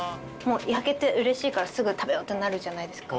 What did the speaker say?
焼けてうれしいからすぐ食べようってなるじゃないですか。